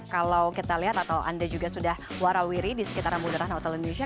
kalau kita lihat atau anda juga sudah warawiri di sekitaran bundaran hotel indonesia